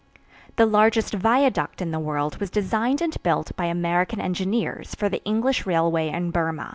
The largest viaduct in the world was designed and built by American engineers for the English railway in Burma.